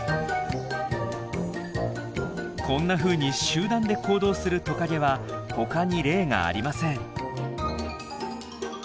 こんなふうに集団で行動するトカゲは他に例がありません。